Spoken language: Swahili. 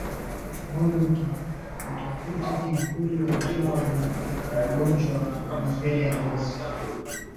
Ngombe hutafuta kivuli wakiwa wameathirika na ugonjwa wa mapele ya ngozi